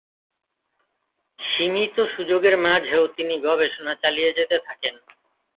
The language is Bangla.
সীমিত সুযোগের মাঝেও তিনি গবেষণা চালিয়ে যেতে থাকেন।